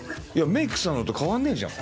メイクさんのと変わんねえじゃん。